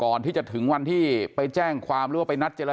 ก็กลายเป็นว่าติดต่อพี่น้องคู่นี้ไม่ได้เลยค่ะ